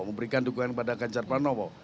memberikan dukungan kepada ganjar pranowo